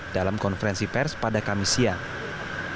dalam konferensi pers pada kamis siang